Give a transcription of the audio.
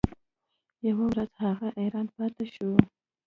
یوه ورځ هغه حیران پاتې شو.